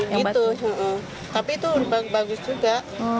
yang batu gitu tapi itu bagus juga